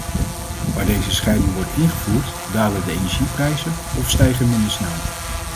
Waar deze scheiding wordt ingevoerd dalen de energieprijzen of stijgen minder snel.